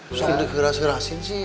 bisaan dikeras kerasin sih